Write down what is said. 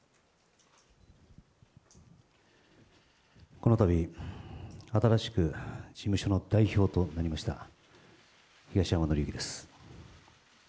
このたび、新しく事務所の代表となりました、東山紀之です。